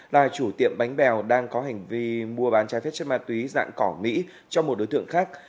là chủ tiệm bánh bèo đang có hành vi mua bán trái phép chất ma túy dạng cỏ mỹ cho một đối tượng khác